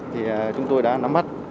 thì chúng tôi đã nắm mắt